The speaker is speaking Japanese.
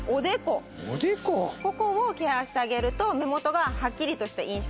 ここをケアしてあげると目元がはっきりとした印象になります。